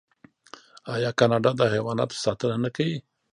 آیا کاناډا د حیواناتو ساتنه نه کوي؟